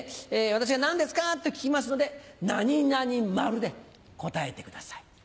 私が「何ですか？」と聞きますので「何々まる」で答えてください。